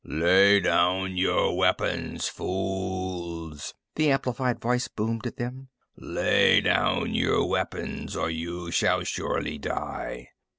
"Lay down your weapons, fools!" the amplified voice boomed at them. "_Lay down your weapons or you shall surely die!